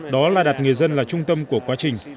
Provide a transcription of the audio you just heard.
đó là đặt người dân là trung tâm của quá trình